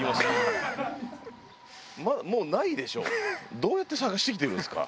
どうやって探してきてるんですか？